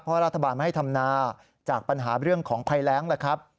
เพราะรัฐบาลไม่ให้ทำนาจากปัญหาเรื่องของภัยแรงล่ะครับ